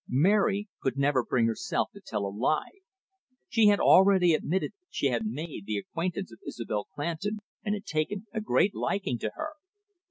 Mary could never bring herself to tell a lie. She had already admitted she had made the acquaintance of Isobel Clandon, and had taken a great liking to her.